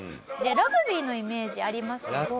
ラグビーのイメージありますよね。